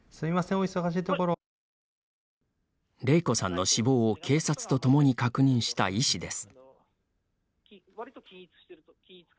れいこさんの死亡を警察とともに確認した医師です。